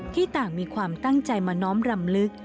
ที่ต่างมีความตั้งใจมาน้อมรำลึก